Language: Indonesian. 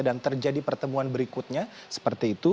dan terjadi pertemuan berikutnya seperti itu